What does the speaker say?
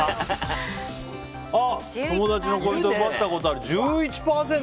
友達の恋人を奪ったことがある１１％。